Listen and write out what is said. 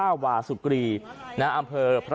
จังหวัดพระนครศรีอายุทยาครับ